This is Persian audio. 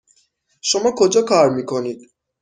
شما کجا کار میکنید؟